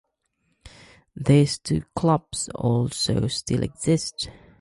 These two clubs also still exist.